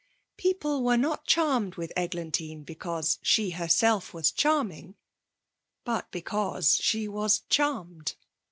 People were not charmed with Eglantine because she herself was charming, but because she was charmed.